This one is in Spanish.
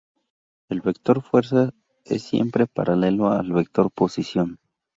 El vector fuerza es siempre paralelo al vector posición.